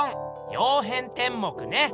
「曜変天目」ね。